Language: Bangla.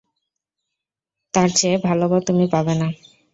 তার চেয়ে ভালো বর তুমি পাবে না।